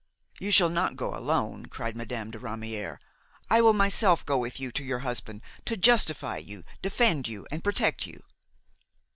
"You shall not go alone!" cried Madame de Ramière; "I will myself go with you to your husband, to justify you, defend you and protect you."